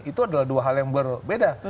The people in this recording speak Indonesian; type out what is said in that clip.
itu adalah dua hal yang berbeda